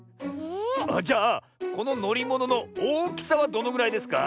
⁉ああじゃあこののりもののおおきさはどのぐらいですか？